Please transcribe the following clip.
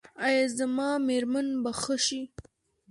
ایا زما میرمن به ښه شي؟